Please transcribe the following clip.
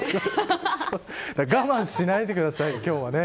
我慢しないでください今日はね。